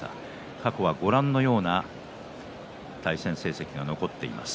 過去は、ご覧のような対戦成績が残っています。